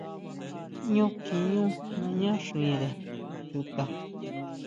Ñú kjiʼñú naña xire chuta.